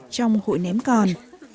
trong hội ném còn